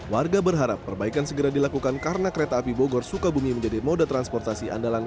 warga berharap perbaikan segera dilakukan karena kereta api bogor sukabumi menjadi moda transportasi andalan